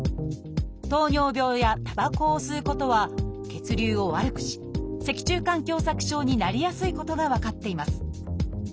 「糖尿病」や「たばこを吸うこと」は血流を悪くし脊柱管狭窄症になりやすいことが分かっています。